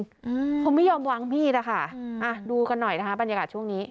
อืมคงไม่ยอมวางมีดอ่ะค่ะอืมอ่ะดูกันหน่อยนะคะบรรยากาศช่วงนี้